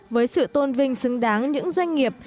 với sự tôn vinh xứng đáng những doanh nghiệp